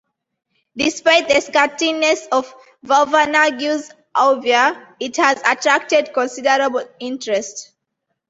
Despite the scantiness of Vauvenargues's oeuvre, it has attracted considerable interest.